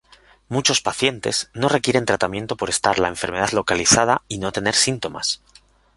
Muchos pacientes no requieren tratamiento por estar la enfermedad localizada y no tener síntomas.